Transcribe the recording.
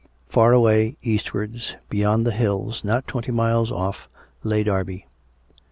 Far away, eastwards, be yond the hills, not twenty miles off, lay Derby.